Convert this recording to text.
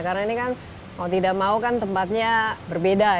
karena ini kan kalau tidak mau kan tempatnya berbeda ya